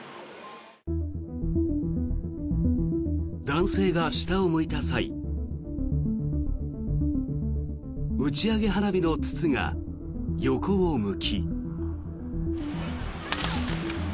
男性が下を向いた際打ち上げ花火の筒が横を向き。